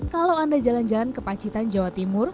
kalau anda jalan jalan ke pacitan jawa timur